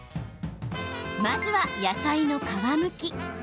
まずは、野菜の皮むき。